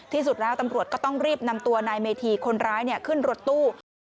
ที่สุดแล้วตำรวจก็ต้องรีบนำตัวนายเมธีคนร้ายขึ้นรถตู้